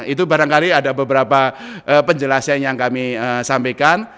itu barangkali ada beberapa penjelasan yang kami sampaikan